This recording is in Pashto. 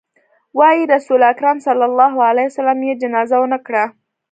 وايي رسول اکرم ص يې جنازه ونه کړه.